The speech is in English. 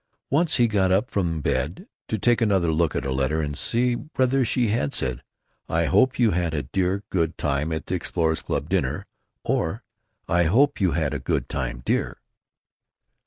Once he got up from bed to take another look at a letter and see whether she had said, "I hope you had a dear good time at the Explorers' Club dinner," or "I hope you had a good time, dear."